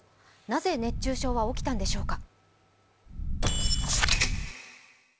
なぜ熱中症は起きたんでしょうか？